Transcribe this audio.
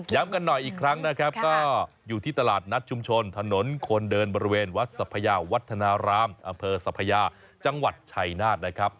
กันหน่อยอีกครั้งนะครับก็อยู่ที่ตลาดนัดชุมชนถนนคนเดินบริเวณวัดสัพยาวัฒนารามอำเภอสัพยาจังหวัดชัยนาธนะครับ